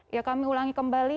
ya kami ulangi kembali